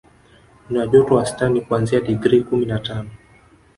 Kuna joto wastani kuanzia digrii kumi na tano